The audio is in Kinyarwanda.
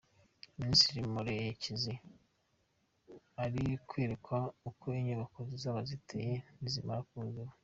Minisitiri Murekezi ari kwerekwa uko imyubako zizaba ziteye nizimara kuzura.